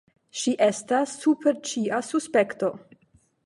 Ŝi estas super ĉia suspekto.